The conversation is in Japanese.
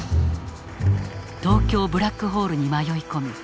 東京ブラックホールに迷い込み